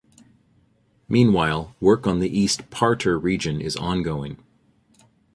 Meanwhile, work on the East Parterre region is ongoing.